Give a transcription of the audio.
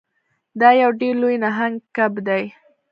دا یو ډیر لوی نهنګ کب دی.